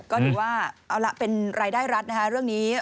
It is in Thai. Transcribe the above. โถ๋เว่นว่าเป็นรายได้รัฐนะคะเรื่องนี้